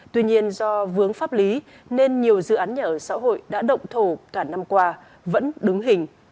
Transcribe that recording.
tuy nhiên do vướng pháp lý nên nhiều dự án nhà ở xã hội đã động thổ cả năm qua vẫn đứng hình